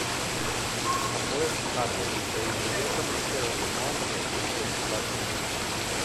Escapó de Fajardo, e inmediatamente ordenó a la revolución dar comienzo.